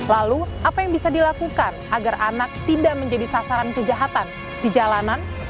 lalu apa yang bisa dilakukan agar anak tidak menjadi sasaran kejahatan di jalanan